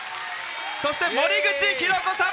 そして、森口博子さん。